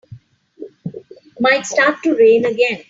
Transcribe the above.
Might start to rain again.